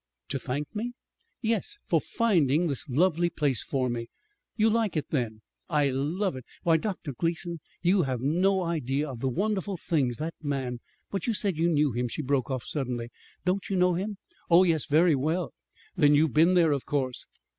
"To thank me?" "Yes; for finding this lovely place for me." "You like it, then?" "I love it. Why, Dr. Gleason, you have no idea of the wonderful things that man But you said you knew him," she broke off suddenly. "Don't you know him?" "Oh, yes, very well." "Then you've been there, of course."